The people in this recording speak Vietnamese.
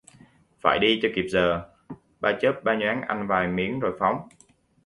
Phải đi cho kịp giờ, ba chớp ba nhoáng ăn vài miếng rồi phóng